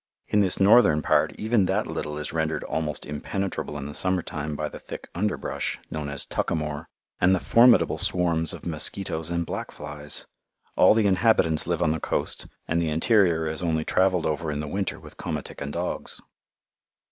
In this northern part even that little is rendered almost impenetrable in the summer time by the thick under brush, known as "tuckamore," and the formidable swarms of mosquitoes and black flies. All the inhabitants live on the coast, and the interior is only travelled over in the winter with komatik and dogs.